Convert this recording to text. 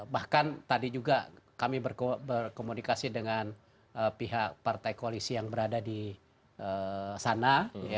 bahkan tadi juga kami berkomunikasi dengan pihak partai koalisi yang berada di sana